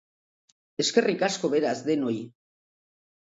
Eskerrik asko, beraz, denoi!